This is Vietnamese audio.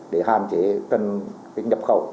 để hàn chế tần cái nhập khẩu